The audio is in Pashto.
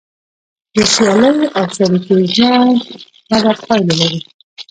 د سیالۍ او شریکۍ ژوند بده پایله لري.